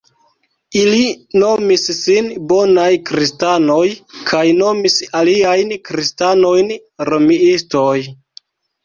Ili nomis sin "Bonaj Kristanoj" kaj nomis aliajn kristanojn "Romiistoj".